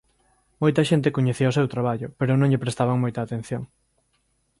Moita xente coñecía o seu traballo pero non lle prestaban moita atención.